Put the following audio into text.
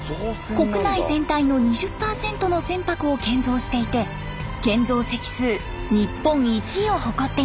国内全体の２０％の船舶を建造していて建造隻数日本１位を誇っています。